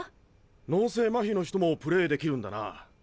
脳性マヒの人もプレーできるんだな。